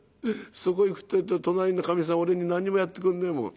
そこへいくってえと隣のかみさん俺に何にもやってくんねえもん。